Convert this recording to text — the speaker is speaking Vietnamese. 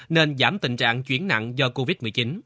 nên giảm tình trạng chuyển nặng do covid một mươi chín